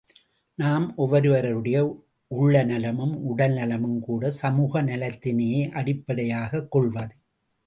நம் ஒவ்வொரு வருடைய உள்ள நலமும் உடல் நலமும் கூட சமூக நலத்தினையே அடிப்படையாகக் கொள்வது.